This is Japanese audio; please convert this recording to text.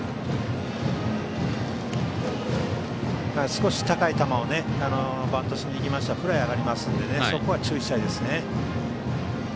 少し高い球をバントしにいきますとフライが上がりますのでそこは注意したいですね。